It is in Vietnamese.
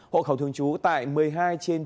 hộ khẩu thường trú tại một mươi hai trên tp hải phòng